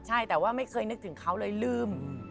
ใช่แต่ว่าไม่เคยนึกถึงเขาเลยลืม